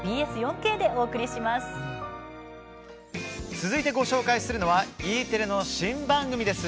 続いてご紹介するのはＥテレの新番組です。